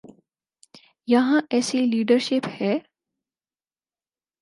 یہاں ایسی لیڈرشپ ہے؟